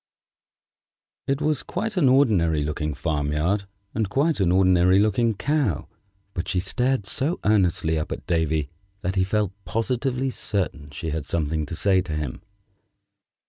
It was quite an ordinary looking farm yard and quite an ordinary looking Cow, but she stared so earnestly up at Davy that he felt positively certain she had something to say to him.